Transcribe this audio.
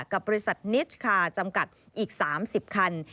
กับบริษัทนิสคาร์จำกัดอีก๓๐คัน